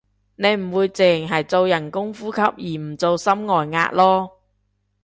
你唔會淨係做人工呼吸而唔做心外壓囉